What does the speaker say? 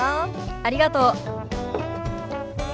ありがとう。